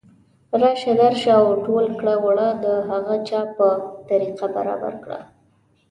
راشه درشه او او ټول کړه وړه د هغه چا په طریقه برابر کړه